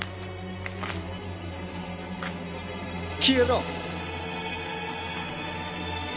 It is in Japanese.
消えろ！